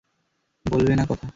বলবে না কথা।